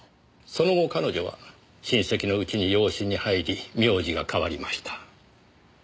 その後彼女は親戚のうちに養子に入り名字が変わりました。